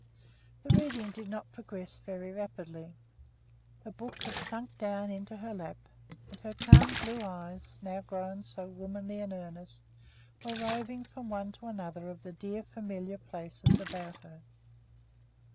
The reading did not progress very rapidly. The book had sunk down into her lap, and her calm blue eyes, now grown so womanly and earnest, were roving from one to another of the dear familiar places about her.